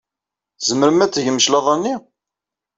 Tzemrem ad d-tgem cclaḍa-nni?